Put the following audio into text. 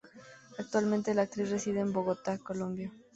Actualmente, la actriz reside en Bogotá, Colombia.